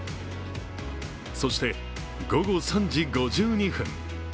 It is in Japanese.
そして、午後３時５２分。